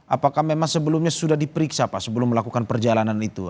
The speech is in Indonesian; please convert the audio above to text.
apakah memang sebelumnya sudah diperiksa pak sebelum melakukan perjalanan itu